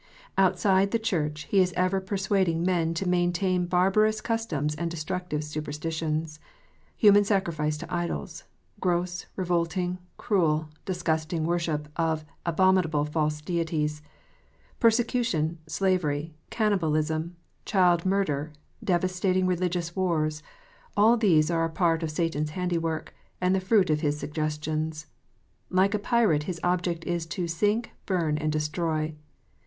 Outside the Church he is ever persuading men to main tain barbarous customs and destructive superstitions. Human sacrifice to idols, gross, revolting, cruel, disgusting worship of abominable false deities, persecution, slavery, cannibalism, child murder, devastating religious wars, all these are a part of Satan s handiwork, and the fruit of his suggestions. Like a pirate, his object is to " sink, burn, and destroy."